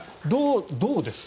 どうですか？